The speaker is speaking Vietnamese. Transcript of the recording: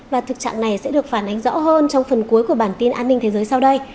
và thực trạng này sẽ được phản ánh rõ hơn trong phần cuối của bản tin an ninh thế giới sau đây